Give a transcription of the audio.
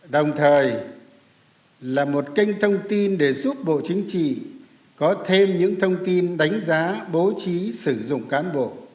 đồng thời là một kênh thông tin để giúp bộ chính trị có thêm những thông tin đánh giá bố trí sử dụng cán bộ